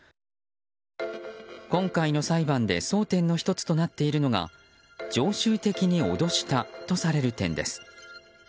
今回の裁判で争点の１つとなっているのが常習的に脅したとされる点です。